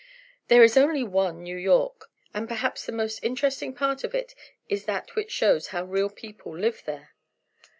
There is only one New York. And perhaps the most interesting part of it is that which shows how real people live there.